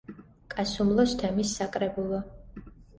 კასუმლოს თემის საკრებულო.